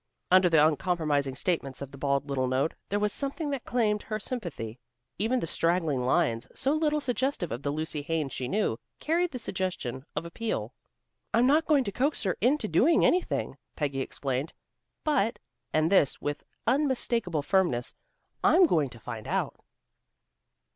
Under the uncompromising statements of the bald little note, there was something that claimed her sympathy. Even the straggling lines, so little suggestive of the Lucy Haines she knew, carried the suggestion of appeal. "I'm not going to coax her into doing anything," Peggy explained. "But " and this with unmistakable firmness "I'm going to find out."